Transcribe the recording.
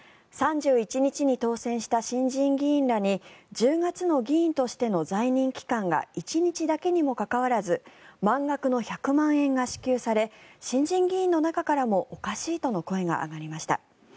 ３１日に当選した新人議員らに１０月の議員としての在任期間が１日だけにもかかわらず満額の１００万円が支給され新人議員の中からもおかしいとの声が上がりました。